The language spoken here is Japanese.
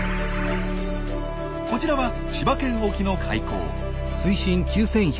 こちらは千葉県沖の海溝。